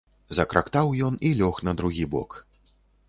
Закрактаў ён і лёг на другі бок.